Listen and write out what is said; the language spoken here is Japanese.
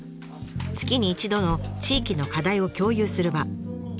月に一度の地域の課題を共有する場。